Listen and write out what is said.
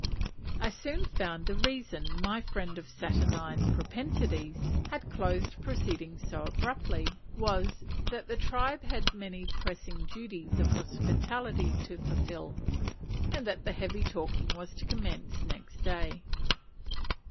I soon found the reason my friend of saturnine propensities had closed proceedings so abruptly was, that the tribe had many pressing duties of hospitality to fulfil, and that the heavy talking was to commence next day.